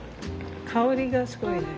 香りがすごいね。